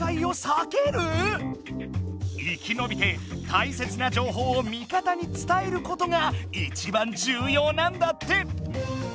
生きのびてたいせつなじょうほうを味方につたえることがいちばんじゅうようなんだって！